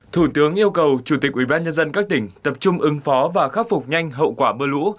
thủ tướng yêu cầu chủ tịch ubnd các tỉnh tập trung ứng phó và khắc phục nhanh hậu quả mưa lũ